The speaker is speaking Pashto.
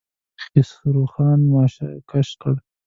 خسرو خان ماشه کش کړه.